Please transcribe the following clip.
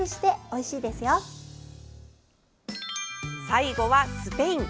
最後はスペイン。